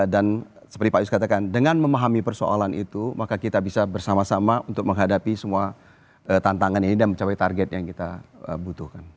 dan seperti pak yus katakan dengan memahami persoalan itu maka kita bisa bersama sama untuk menghadapi semua tantangan ini dan mencapai target yang kita butuhkan